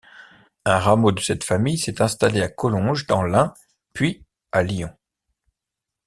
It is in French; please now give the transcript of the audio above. Un rameau de cette famille s'est installée à Collonges dans l'Ain puis à Lyon.